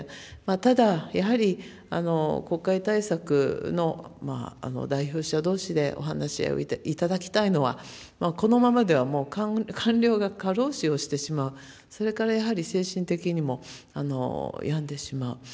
ただやはり、国会対策の代表者どうしでお話し合いをいただきたいのは、このままではもう官僚が過労死をしてしまう、それからやはり、精神的にも病んでしまう。